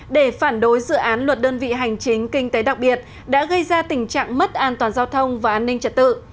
để phản đối dự án luật đơn vị hành chính kinh tế đặc biệt đã gây ra tình trạng mất an toàn giao thông và an ninh trật tự